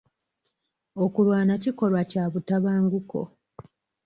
Okulwana kikolwa kya butabanguko.